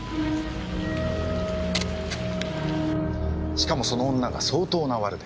しかもその女が相当なワルで。